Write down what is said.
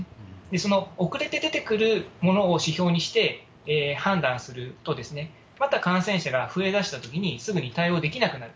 その遅れて出てくるものを指標にして判断すると、また感染者が増えだしたときに、すぐに対応できなくなる。